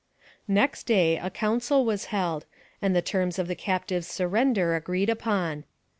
Next day a council was held, and the terms of the captives surrender agreed upon.